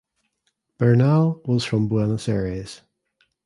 Bernal was from Buenos Aires.